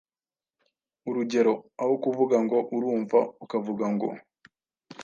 Urugero: aho kuvuga ngo "urumva" ukavuga ngo ’